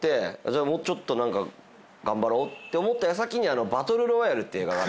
じゃあもうちょっと頑張ろうって思った矢先に『バトル・ロワイアル』っていう映画が。